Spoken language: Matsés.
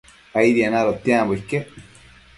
Aidien adotiambo iquec